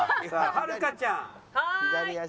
はるかちゃん